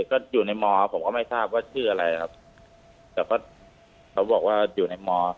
ก็อยู่ในมครับผมก็ไม่ทราบว่าชื่ออะไรครับแต่ก็เขาบอกว่าอยู่ในม